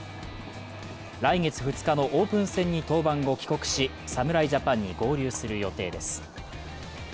来月２日のオープン戦に登板後帰国し、侍ジャパンに合流する予定です。